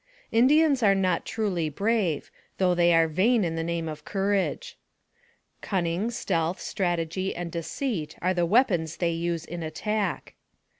Indians are not truly brave, though they are vain of the name of courage. Cunning, stealth, strategy, and deceit are the weapons they use in attack.